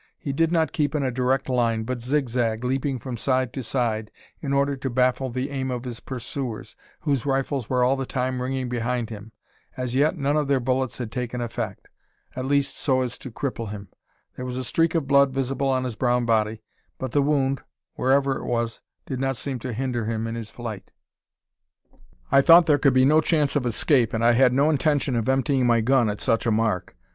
He did not keep in a direct line, but zigzag, leaping from side to side, in order to baffle the aim of his pursuers, whose rifles were all the time ringing behind him. As yet none of their bullets had taken effect, at least so as to cripple him. There was a streak of blood visible on his brown body, but the wound, wherever it was did not seem to hinder him in his flight. I thought there could be no chance of his escape, and I had no intention of emptying my gun at such a mark.